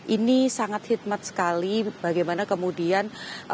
ini sangat khidmat sekali bagaimana kemudian